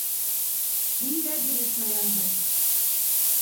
Һин дә бирешмәгәнһең.